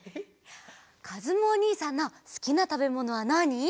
かずむおにいさんのすきなたべものはなに？